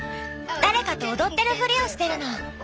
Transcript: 誰かと踊ってるフリをしてるの。